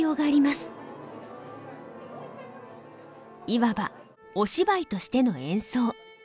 いわば「お芝居」としての演奏。